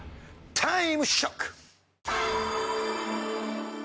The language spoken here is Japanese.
タイムショック！